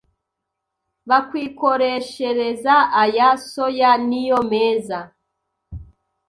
bakwikoreshereza aya soya niyo meza